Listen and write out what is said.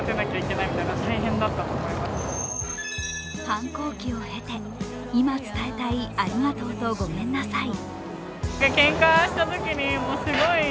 反抗期を経て、今、伝えたいありがとうとごめんなさい。